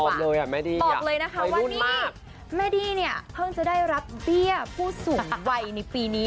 พร้อมเลยอ่ะแม่ดี้ปลอบเลยนะคะว่านี่แม่ดี้เนี่ยเพิ่งจะได้รับเบี้ยผู้สูงวัยในปีนี้